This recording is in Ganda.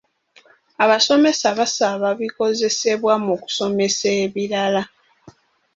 Abasomesa basaba bikozesebwa mu kusomesa ebirala.